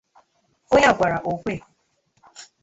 Onye a gwara okwe